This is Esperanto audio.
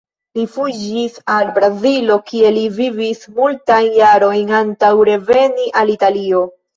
Li fuĝis al Brazilo kie li vivis multajn jarojn antaŭ reveni al Italio.